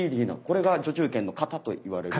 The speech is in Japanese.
これが序中剣の形と言われる？